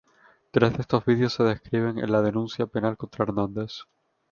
Tres de estos vídeos se describen en la denuncia penal contra Hernández.